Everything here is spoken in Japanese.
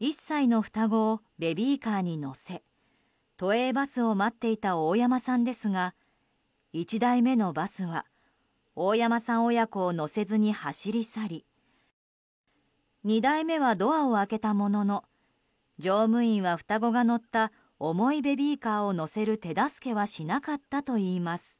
１歳の双子をベビーカーに乗せ都営バスを待っていた大山さんですが１台目のバスが大山さん親子を乗せずに走り去り２台目はドアを開けたものの乗務員は、双子が乗った重いベビーカーを乗せる手助けはしなかったといいます。